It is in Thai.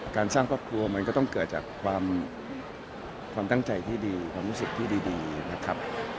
สร้างครอบครัวมันก็ต้องเกิดจากความตั้งใจที่ดีความรู้สึกที่ดีนะครับ